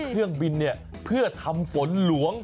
เครื่องบินเพื่อทำฝนหลวง